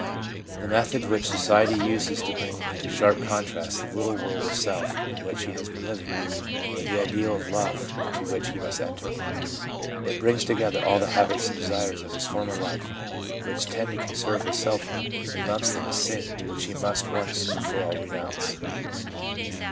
The method which society uses is to bring into sharp contrast the little world of self in which he has been living, and the ideal of love into which he must enter. It brings together all the habits and desires of his former life, which tend to conserve his selfhood, and lumps them as 'sin/ which he must once for all renounce.